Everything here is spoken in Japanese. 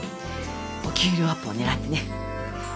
お給料アップをねらってね。